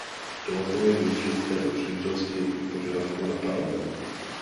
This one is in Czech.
Dovolte mi využít této příležitosti k požadavku na Parlament.